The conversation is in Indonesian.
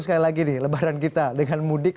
sekali lagi nih lebaran kita dengan mudik